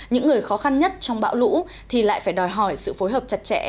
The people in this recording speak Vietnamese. những người khó khăn nhất trong bão lũ thì lại phải đòi hỏi sự phối hợp chặt chẽ